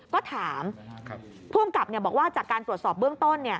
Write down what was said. ก็ถามผู้กำกับบอกว่าจากการตรวจสอบเบื้องต้น